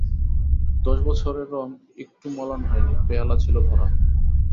দশ বছরে রঙ একটু মলান হয় নি, পেয়ালা ছিল ভরা।